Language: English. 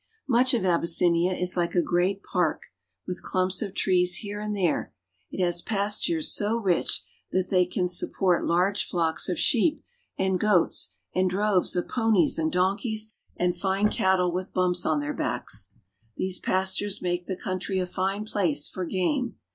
Much of Abyssinia is like a great park, with clumps o trees here and there; it has pastures so rich that they s port large flocks of sheep and goats and droves of ponies id donkeys and fine cattle with humps on their backs. 'hese pastures make the country a fine place for game.